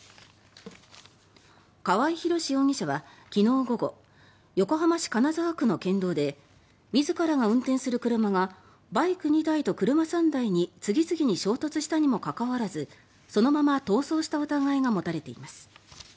川合廣司容疑者は昨日午後横浜市金沢区の県道で自らが運転する車がバイク２台と車３台に次々に衝突したにもかかわらずそのまま逃走した疑いが持たれています。